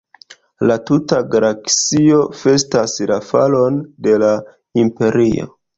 La tuta galaksio festas la falon de la Imperio.